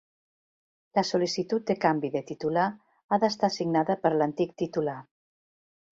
La sol·licitud de canvi de titular ha d'estar signada per l'antic titular.